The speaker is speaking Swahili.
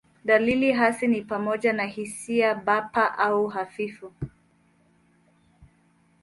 Dalili hasi ni pamoja na hisia bapa au hafifu.